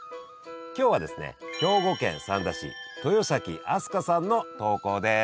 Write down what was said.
今日はですね兵庫県三田市豊崎あすかさんの投稿です。